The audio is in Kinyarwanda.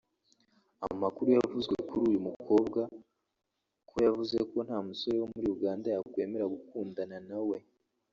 Amakuru yavuzwe kuri uyu mukobwa ko yavuze ko nta musore wo muri Uganda yakwemera gukundana na we